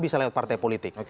bisa lewat partai politik